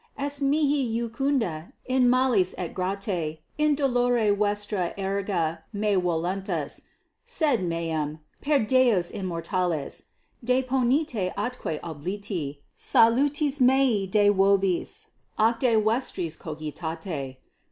Est mihi iucunda in malis et grata in dolore vestra erga me voluntas, sed eam, per deos immortales, deponite atque obliti salutis meae de vobis ac de vestris cogitate.